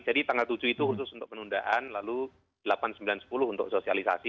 jadi tanggal tujuh itu khusus untuk penundaan lalu delapan sembilan sepuluh untuk sosialisasi